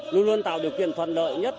luôn luôn tạo điều kiện thuận lợi nhất